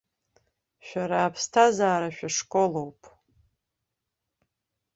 Шәара аԥсҭазаара шәашколуп!